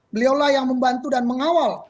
beliaulah yang membantu dan mengawal